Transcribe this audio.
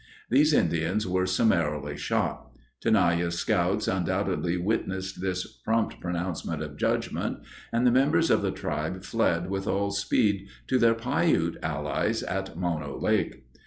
These Indians were summarily shot. Tenaya's scouts undoubtedly witnessed this prompt pronouncement of judgment, and the members of the tribe fled with all speed to their Piute allies at Mono Lake.